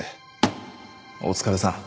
お疲れさん。